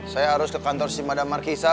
saya harus ke kantor si madam markisa